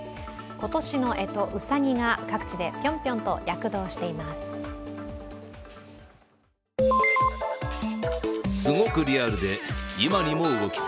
今年の干支、うさぎが各地でぴょんぴょんと躍動しています。